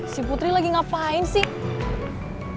si putri lagi ngapain sih